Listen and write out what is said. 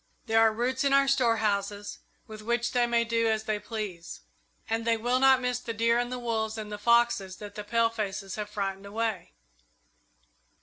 There are roots in our storehouses with which they may do as they please, and they will not miss the deer and the wolves and the foxes that the palefaces have frightened away.